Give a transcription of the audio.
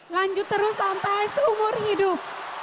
lanjut terus sampai seumur hidup